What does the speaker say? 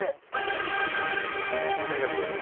大正大学だよ。